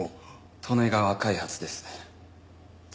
利根川開発です。